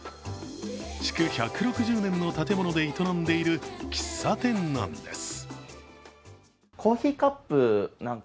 築１６０年の建物で営んでいる喫茶店なんです。